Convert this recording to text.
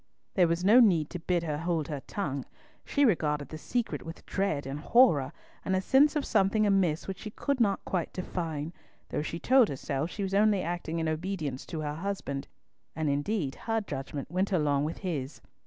There was no need to bid her hold her tongue. She regarded the secret with dread and horror, and a sense of something amiss which she could not quite define, though she told herself she was only acting in obedience to her husband, and indeed her judgment went along with his.